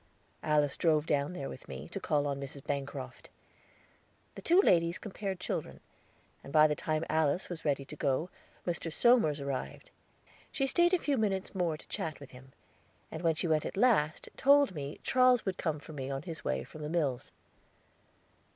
Alice drove down there with me, to call on Mrs. Bancroft. The two ladies compared children, and by the time Alice was ready to go, Mr. Somers arrived. She staid a few moments more to chat with him, and when she went at last, told me Charles would come for me on his way from the mills.